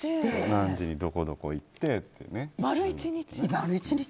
何時にどこどこ行ってっていうね。